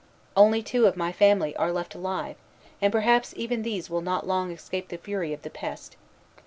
Only two of my family are left alive, and perhaps even these will not long escape the fury of the pest.